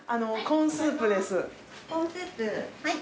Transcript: コーンスープはい。